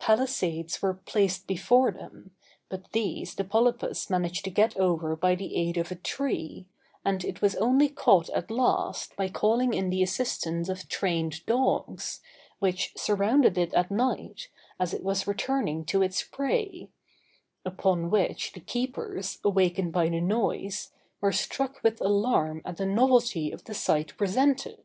Palisades were placed before them, but these the polypus managed to get over by the aid of a tree, and it was only caught at last by calling in the assistance of trained dogs, which surrounded it at night, as it was returning to its prey; upon which, the keepers, awakened by the noise, were struck with alarm at the novelty of the sight presented.